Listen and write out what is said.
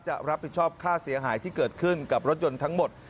รับผิดชอบค่าเสียหายที่เกิดขึ้นกับรถยนต์ทั้งหมด